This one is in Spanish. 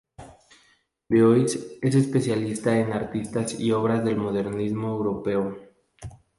Bois es especialista en artistas y obras del modernismo europeo.